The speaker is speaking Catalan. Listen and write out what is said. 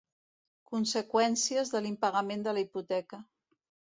Conseqüències de l'impagament de la hipoteca.